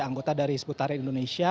anggota dari hizbut tahrir indonesia